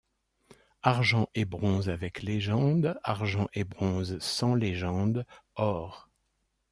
Argent et bronze avec légende, Argent et bronze sans légende, or.